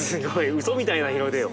うそみたいな日の出よ。